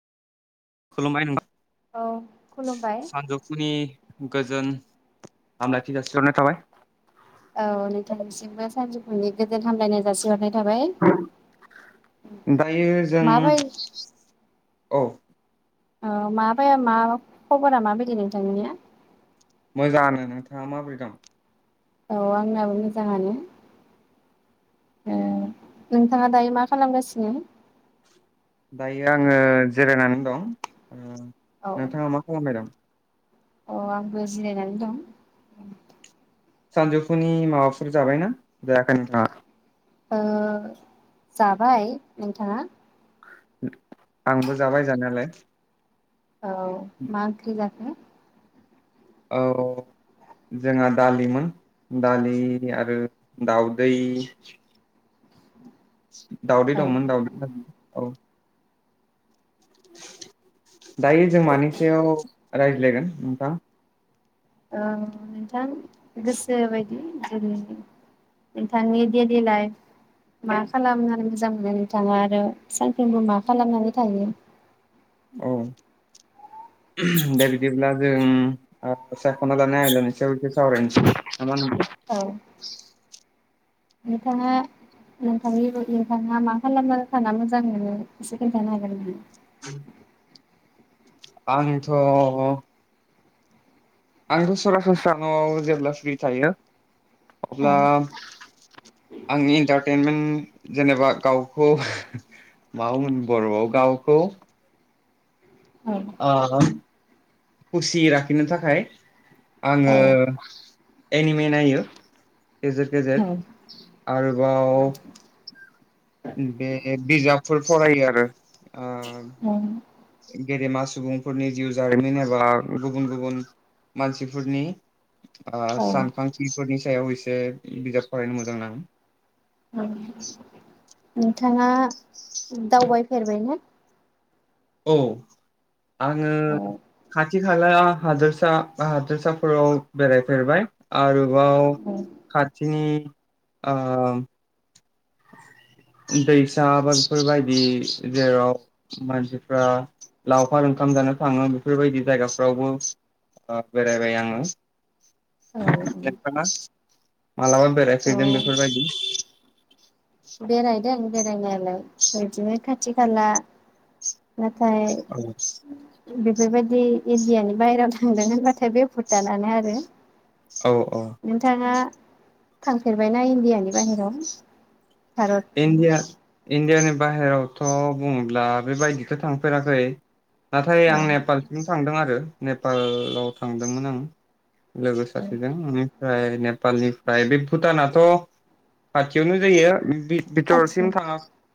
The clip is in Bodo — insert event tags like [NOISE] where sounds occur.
खुलुमबाय नों औ खुलुमबाय गोजोन हामलाथि जासि हरनाय थाबाय औ नोंथांनिसिमबो सानजौफुंनि गोजोन हामलायनाय जासिहनाय दायो जों माबाय औ औ माबाया मा खबरा मा बायदि नोंथांनिया? मोजाङानो नोंथाङा माबोरै दं? औ आंनाबो मोजाङानो ओ नोंथाङा दायो मा खालामगासिनो? दायो आङो जिरायनानै दं ओ नोंथाङा मा खालामबाय दं? अ आंबो जिरायनानै दं [INAUDIBLE] सानजौफुनि माबाफोर जाबायना जायाखै नोंथांआ? ओ जाबाय। नोंथाङा? आंबो जाबाय जानायालाय औ मा ओंख्रि जाखो? औ जोंहा दालिमोन दालि आरो दाउदै [INAUDIBLE] दाउदै औ दंमोन दाउदै [UNINTELLIGIBLE] औ दायो जों मानि सायाव रायज्लायगोन नोंथां? औ नोंथां गोसो बाय उम जेरै नोंथांनि डैलि लाइफ मा खालामनानै मोजां मोनो नोंथाङा आरो सानफ्रोमबो मा खालामनानै थायो औ उम दे बिदिब्ला जों सायखना लानाय आयदानि एसे सावरायनिसै ना मा होनो औ नोंथाङा नोंथांनि नोंथाङा मा खालामनो थाना मोजां मोनो एसे खिन्थानो हागोन ना? आंथ' आंथ' सरासनस्रा न'आव जेब्ला स्रि थायो औ अब्ला आं इन्टारटेनमेन्ट जेनेबा गावखौ माबोन बर'आव गावखौ औ ओ खुसि लाखिनो थाखाय आङो एनिमे नायो गेजेर गेजेर आरोबाव बे बिजाबफोर फरायो आरो ओ अ गेदेमा सुबुंफोरनि जिउ जारिमिन एबा गुबुन गुबुन मानसिफोरनि आ औ सानखांथिफोरनि सायाव एसे बिजाब फरायनो मोजां नाङो [INAUDIBLE] नोंथाङा दावबायफेरबाय ना औ आङो औ खाथि खाला हादोरसा हादोरसाफोराव बेरायफेरबाय आरोबाव खाथिनि आम दैसा बा बेफोरबायदि जेराव मानसिफ्रा लावखार ओंखाम जानो थाङो बेफोरबायदि जायगाफ्रावबो ओ बेरायबाय आङो। औ [UNINTELLIGIBLE] मालाबा बेरायफेरदों बेफोरबायदि बेेराय देन बेरायनायालाय बिदिनो खाथि खाला नाथाय औ बेफोरबायदि इण्डियानि बाहेरायाव थांदों होनबाथाय बे भुटानानो आरो। औ औ नोंथाङा थांफेरबायना इण्डियानि बाहेराव भारत इण्डिया इण्डिया नि बाहेरावथ' बुङोब्ला बेबायदिथ' थांफेराखै नाथाय औ आं नेपालसिम थांदों आरो नेपालाव थांदोंमोन आं लोगो औ सासेजों बेनिफ्राय नेपालनिफ्राय बे भुटानाथ' खाथियावनो जायो। खाथि बेथरसिम थाङां